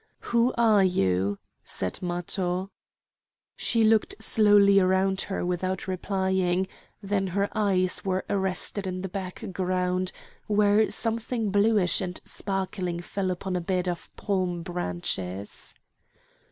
"Who are you?" said Matho. She looked slowly around her without replying; then her eyes were arrested in the background, where something bluish and sparkling fell upon a bed of palm branches.